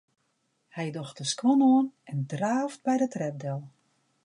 Hy docht de skuon oan en draaft by de trep del.